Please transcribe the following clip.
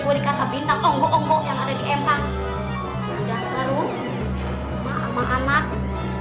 bintang bintang yang ada di emang